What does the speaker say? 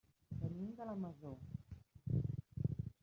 Venim de la Masó.